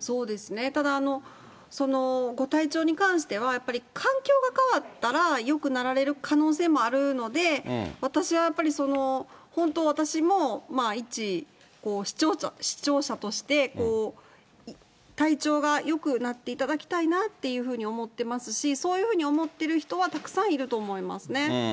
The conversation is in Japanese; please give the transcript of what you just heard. そうですね、ただ、ご体調に関しては、やっぱり環境が変わったらよくなられる可能性もあるので、私はやっぱり本当は私も、一視聴者として、体調がよくなっていただきたいなっていうふうに思ってますし、そういうふうに思ってる人はたくさんいると思いますね。